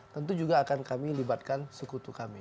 tentu juga akan kami libatkan sekutu kami